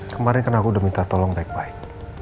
kemarin kan aku udah minta tolong baik baik